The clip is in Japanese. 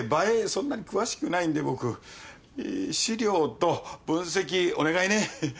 そんなに詳しくないんで僕資料と分析お願いね。